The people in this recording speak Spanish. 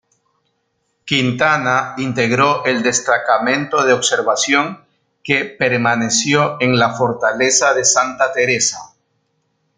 Quintana integró el destacamento de observación que permaneció en la Fortaleza de Santa Teresa.